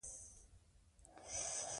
راځئ چې دا ترکیب وساتو.